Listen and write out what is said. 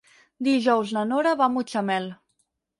Dijous na Nora va a Mutxamel.